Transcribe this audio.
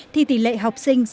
thì tỷ lệ học sinh sinh hoạt